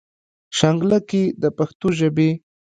شانګله کښې د پښتو ژبې